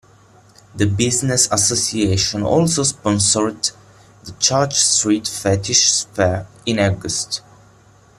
The business association also sponsored the Church Street Fetish Fair in August.